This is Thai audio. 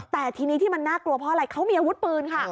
แต่ทีนี้ที่มันน่ากลัวเพราะอะไรเขามีอาวุธปืนค่ะ